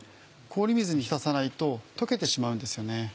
氷水に浸さないと溶けてしまうんですよね。